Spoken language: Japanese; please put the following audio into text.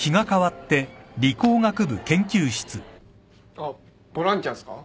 あっボランティアっすか？